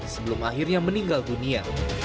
sebelum akhirnya meninggal dunia